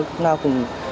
lúc nào cũng